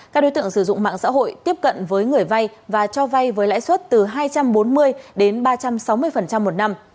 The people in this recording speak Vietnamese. các đối tượng sử dụng mạng xã hội tiếp cận với người vay và cho vay với lãi suất từ hai trăm bốn mươi đến ba trăm sáu mươi một năm